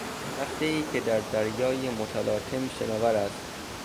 تختهای که در دریای متلاطم شناور است